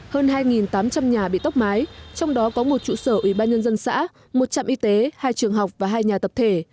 hơn hai tám trăm linh nhà bị tốc mái trong đó có một trụ sở ủy ban nhân dân xã một trạm y tế hai trường học và hai nhà tập thể